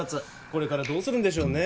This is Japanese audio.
これからどうするんでしょうね